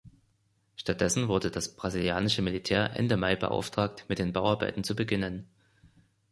Stattdessen wurde das brasilianische Militär Ende Mai beauftragt, mit den Bauarbeiten zu beginnen.